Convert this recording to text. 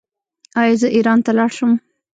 ایا زه ایران ته لاړ شم؟